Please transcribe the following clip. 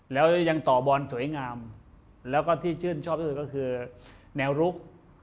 แล้วยังต่อบอลสวยงามแล้วก็ที่ชื่นชอบที่สุดก็คือแนวรุก